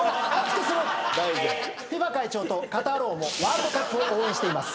会長とカタール王もワールドカップを応援しています。